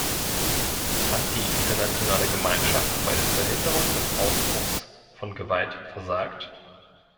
Hat die internationale Gemeinschaft bei der Verhinderung des Ausbruchs von Gewalt versagt?